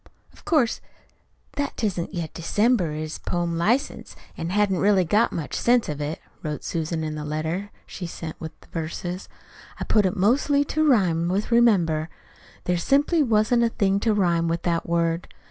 "Of course that ''tisn't yet December' is poem license, and hain't really got much sense to it," wrote Susan in the letter she sent with the verses. "I put it in mostly to rhyme with 'remember.' (There simply wasn't a thing to rhyme with that word!)